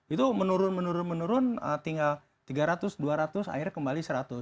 itu menurun menurun menurun tinggal tiga ratus dua ratus akhirnya kembali seratus